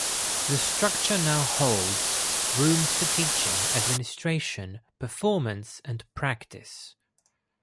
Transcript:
The structure now holds rooms for teaching, administration, performance and practice.